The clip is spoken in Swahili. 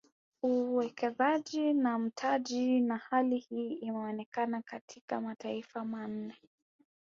Uwekezaji na mtaji na hali hii imeonekana katika mataifa manne